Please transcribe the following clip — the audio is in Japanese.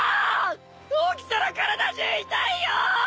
起きたら体中痛いよぉぉ！